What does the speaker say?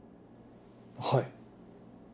はい。